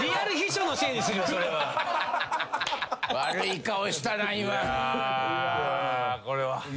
・これは。